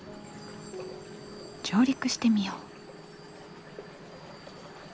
上陸してみよう。